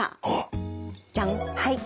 はい。